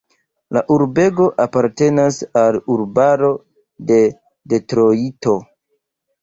La urbego apartenas al urbaro de Detrojto.